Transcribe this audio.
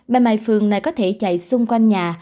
mẹ mai phương này có thể chạy xung quanh nhà